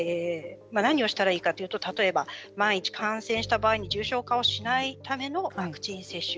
何をしたらいいかというと例えば万一感染をした場合に重症化をしないためのワクチン接種。